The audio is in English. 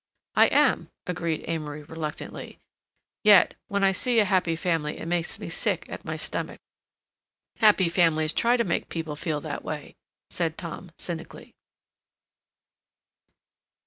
"I am," agreed Amory reluctantly. "Yet when I see a happy family it makes me sick at my stomach—" "Happy families try to make people feel that way," said Tom cynically.